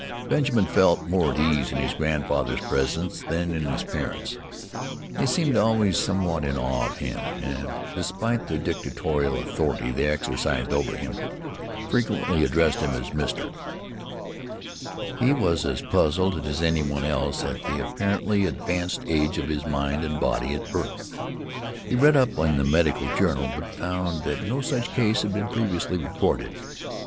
Benjamin felt more at ease in his grandfather's presence than in his parents' they seemed always somewhat in awe of him and, despite the dictatorial authority they exercised over him, frequently addressed him as "Mr." He was as puzzled as any one else at the apparently advanced age of his mind and body at birth. He read up on it in the medical journal, but found that no such case had been previously recorded.